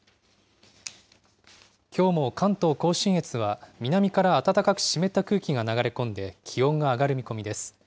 きょうも関東甲信越は、南から暖かく湿った空気が流れ込んで気温が上がる見込みです。